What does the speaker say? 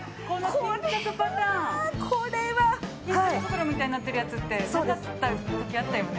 巾着袋みたいになってるやつってなかったときあったよね？